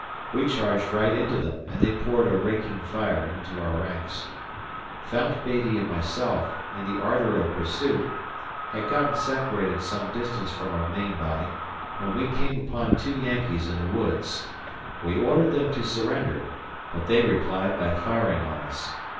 We charged right into them and they poured a raking fire into our ranks. Fount Beattie and myself, in the ardor of pursuit, had gotten separated some distance from our main body, when we came upon two Yankees in the woods. We ordered them to surrender, but they replied by firing on us.